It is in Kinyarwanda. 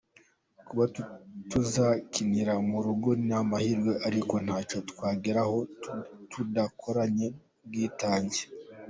Kuba tuzakinira mu rugo ni amahirwe ariko ntacyo twageraho tudakoranye ubwitange.